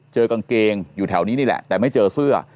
กางเกงอยู่แถวนี้นี่แหละแต่ไม่เจอเสื้อ